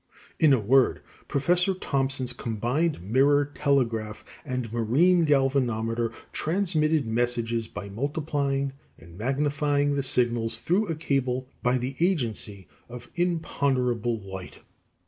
] In a word, Professor Thomson's combined mirror telegraph and marine galvanometer transmitted messages by multiplying and magnifying the signals through a cable by the agency of imponderable light.